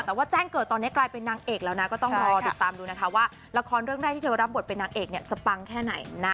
แต่ว่าแจ้งเกิดตอนนี้กลายเป็นนางเอกแล้วนะก็ต้องรอติดตามดูนะคะว่าละครเรื่องแรกที่เธอรับบทเป็นนางเอกเนี่ยจะปังแค่ไหนนะ